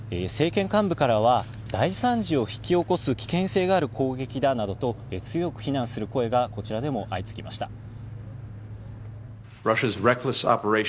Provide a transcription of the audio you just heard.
政権幹部からは、大惨事を引き起こす危険性がある攻撃だなどと、強く非難する声が、こちらでも相次ぎました。